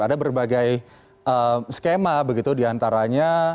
ada berbagai skema begitu diantaranya